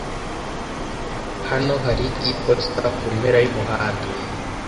Hano hari iposita kumpera yumuhanda.